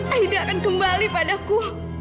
aida akan kembali padaku